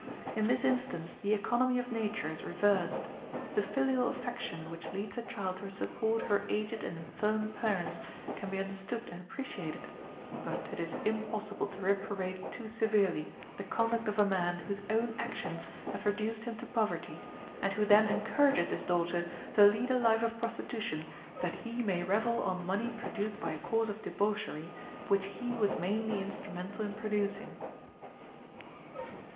In this instance the economy of nature is reversed. The filial affection which leads a child to support her aged and infirm parents can be understood and appreciated, but it is impossible to reprobate too severely the conduct of a man whose own actions have reduced him to poverty, and who then encourages his daughter to lead a life of prostitution that he may revel on money produced by a course of debauchery which he was mainly instrumental in producing.